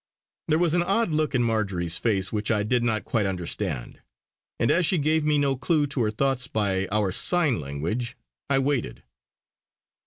There was an odd look in Marjory's face which I did not quite understand; and as she gave me no clue to her thoughts by our sign language, I waited.